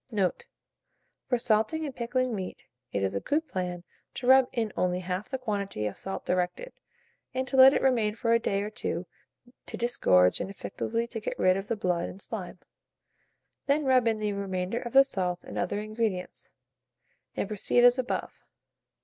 Note. For salting and pickling meat, it is a good plan to rub in only half the quantity of salt directed, and to let it remain for a day or two to disgorge and effectually to get rid of the blood and slime; then rub in the remainder of the salt and other ingredients, and proceed as above.